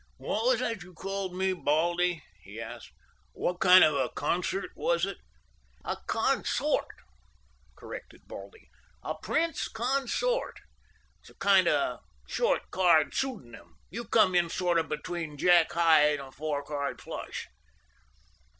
"What was that you called me, Baldy?" he asked. "What kind of a concert was it?" "A 'consort,'" corrected Baldy—"a 'prince consort.' It's a kind of short card pseudonym. You come in sort of between Jack high and a four card flush."